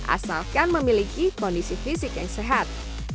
asalkan memiliki kondisi fisik yang sehat